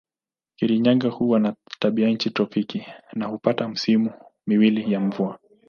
Kirinyaga huwa na tabianchi tropiki na hupata misimu miwili ya mvua.